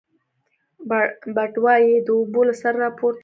بټوه يې د اوبو له سره ورپورته کړه.